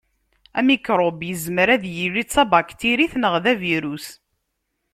Amikṛub yezmer ad yili d tabaktirit neɣ d avirus.